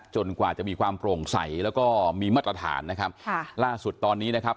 กว่าจะมีความโปร่งใสแล้วก็มีมาตรฐานนะครับค่ะล่าสุดตอนนี้นะครับ